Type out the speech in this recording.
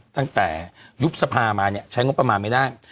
ตั้งแต่ยุบสภามาเนี่ยใช้งบประมาณไม่ได้